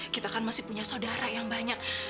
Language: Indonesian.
kita kan masih punya saudara yang banyak